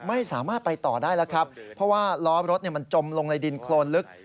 ไม่สามารถไปต่อได้แล้วครับเพราะว่าล้อรถมันจมลงในดินโครนลึก